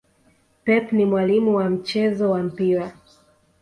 pep ni mwalimu wa mchezo wa mpira